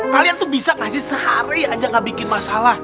kalian tuh bisa ngasih sehari aja gak bikin masalah